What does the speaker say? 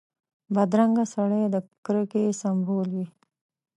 بدرنګه سړی د کرکې سمبول وي